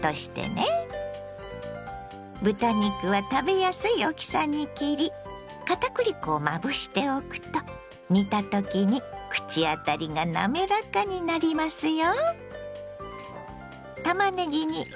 豚肉は食べやすい大きさに切り片栗粉をまぶしておくと煮たときに口当たりがなめらかになりますよ。